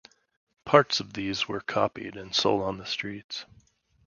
Parts of these were copied and sold on the streets.